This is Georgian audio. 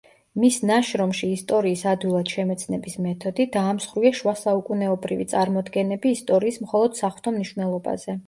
მის ნაშრომში „ისტორიის ადვილად შემეცნების მეთოდი“ დაამსხვრია შუასაუკუნეობრივი წარმოდგენები ისტორიის მხოლოდ საღვთო მნიშვნელობაზე.